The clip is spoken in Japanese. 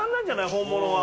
本物は。